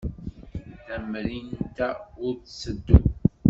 Tamrint-a ur tetteddu.